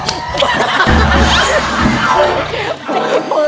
ชีมือ